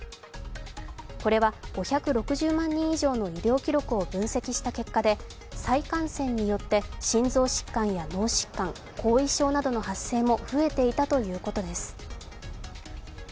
これは５６０万人以上の医療記録を分析した結果で再感染によって心臓疾患や脳疾患、後遺症などの発生も増えていたということです。